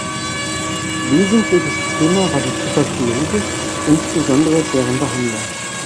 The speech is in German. Wesentliches Thema war die Tuberkulose, insbesondere deren Behandlung.